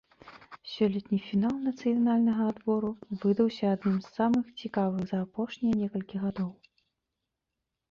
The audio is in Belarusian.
Сёлетні фінал нацыянальнага адбору выдаўся адным з самых цікавых за апошнія некалькі гадоў.